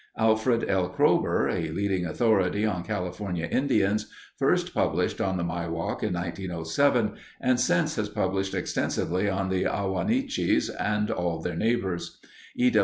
Alfred L. Kroeber, a leading authority on California Indians, first published on the Miwok in 1907 and since has published extensively on the Ah wah nee chees and all their neighbors. E.